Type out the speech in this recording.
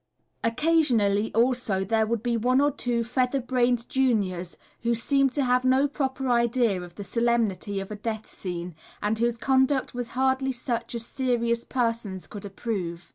Occasionally also there would be one or two feather brained juniors who seemed to have no proper idea of the solemnity of a death scene, and whose conduct was hardly such as serious persons could approve.